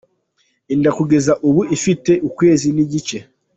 Inda kugeza ubu ifite ukwezi n’igice.